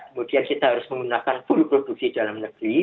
kemudian kita harus menggunakan full produksi dalam negeri